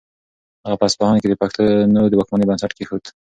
هغه په اصفهان کې د پښتنو د واکمنۍ بنسټ کېښود.